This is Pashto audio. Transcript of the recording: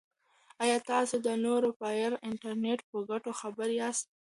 ایا تاسو د نوري فایبر انټرنیټ په ګټو خبر یاست؟